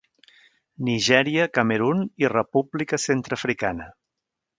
Nigèria, Camerun i República Centreafricana.